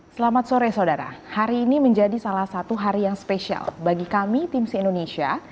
selamat sore saudara hari ini menjadi salah satu hari yang spesial bagi kami tim si indonesia